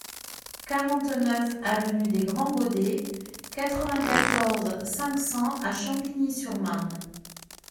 quarante-neuf avenue des Grands Godets, quatre-vingt-quatorze, cinq cents à Champigny-sur-Marne